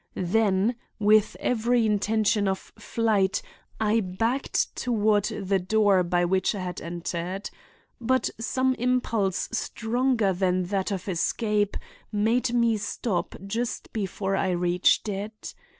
Then, with every intention of flight, I backed toward the door by which I had entered. But some impulse stronger than that of escape made me stop just before I reached it.